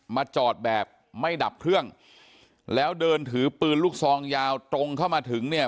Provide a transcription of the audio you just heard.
มาจอดแบบไม่ดับเครื่องแล้วเดินถือปืนลูกซองยาวตรงเข้ามาถึงเนี่ย